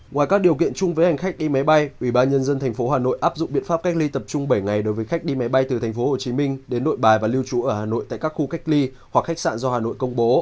ngoài các điều kiện chung với hành khách đi máy bay ubnd tp hà nội áp dụng biện pháp cách ly tập trung bảy ngày đối với khách đi máy bay từ tp hcm đến nội bài và lưu trú ở hà nội tại các khu cách ly hoặc khách sạn do hà nội công bố